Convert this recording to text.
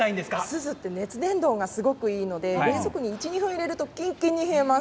すずは熱伝導がいいので冷蔵庫に１、２分に入れるとキンキンに冷えます。